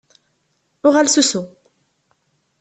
Uɣal s usu!